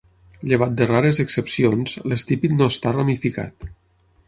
Llevat de rares excepcions, l'estípit no està ramificat.